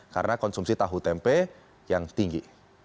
karena konsumsi tahu tempe yang tinggi